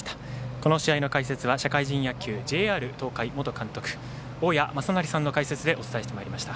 この試合の解説は社会人野球、ＪＲ東海元監督大矢正成さんの解説でお伝えしてまいりました。